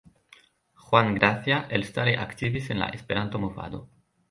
Juan Gracia elstare aktivis en la Esperanto movado.